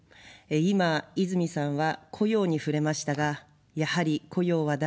今、泉さんは雇用に触れましたが、やはり雇用は大事ですね。